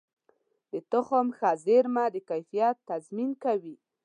د تخم ښه زېرمه د کیفیت تضمین کوي.